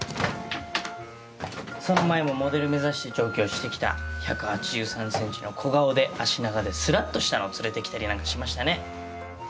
その前もモデル目指して上京してきた１８３ｃｍの小顔で足長でスラっとしたのを連れてきたりなんかしましたね。